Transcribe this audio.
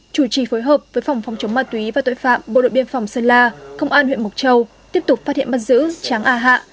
chủ trì phối hợp với phòng phòng chống ma túy và tội phạm bộ đội biên phòng sơn la công an huyện mộc châu tiếp tục phát hiện bắt giữ tráng a hạ